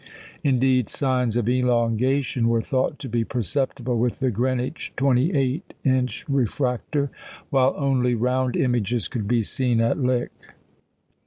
Indeed, signs of "elongation" were thought to be perceptible with the Greenwich 28 inch refractor, while only round images could be seen at Lick.